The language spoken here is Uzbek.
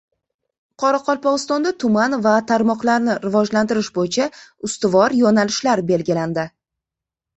Qoraqalpog‘istonda tuman va tarmoqlarni rivojlantirish bo‘yicha ustuvor yo‘nalishlar belgilandi